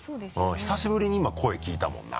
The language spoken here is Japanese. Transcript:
久しぶりに今声聞いたもんな。